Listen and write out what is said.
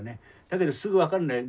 だけどすぐ分かるんだよ。